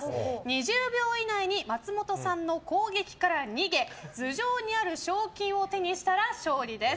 ２０秒以内に松本さんの攻撃から逃げ頭上にある賞金を手にしたら勝利です。